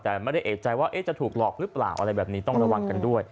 แต่ไม่ได้เอกใจว่าจะถูกหลอกหรือเปล่าอะไรแบบนี้ต้องระวังกันด้วย